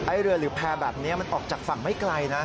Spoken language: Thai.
เรือหรือแพร่แบบนี้มันออกจากฝั่งไม่ไกลนะ